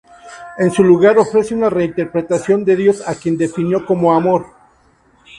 En su lugar, ofrece una reinterpretación de Dios, a quien definió como amor.